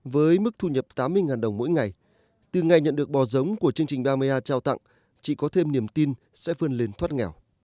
với mức thu nhập tám mươi đồng mỗi ngày từ ngày nhận được bò giống của chương trình ba mươi a trao tặng chị có thêm niềm tin sẽ vươn lên thoát nghèo